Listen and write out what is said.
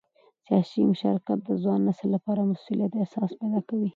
سیاسي مشارکت د ځوان نسل لپاره د مسؤلیت احساس پیدا کوي